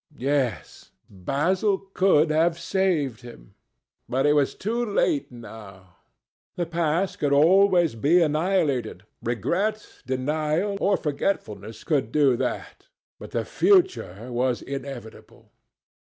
Yes, Basil could have saved him. But it was too late now. The past could always be annihilated. Regret, denial, or forgetfulness could do that. But the future was inevitable.